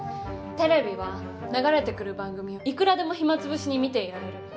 テレビは流れてくる番組をいくらでも暇潰しに見ていられる。